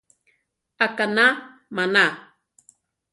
Aʼkaná maná.